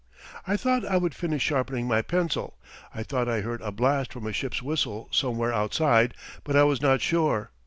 I thought I would finish sharpening my pencil. I thought I heard a blast from a ship's whistle somewhere outside; but I was not sure.